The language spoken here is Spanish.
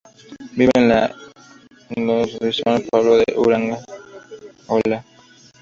Vive en la Île Saint-Louis con Rusiñol, Pablo de Uranga.